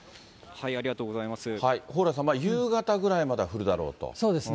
蓬莱さん、夕方ぐらいまではそうですね。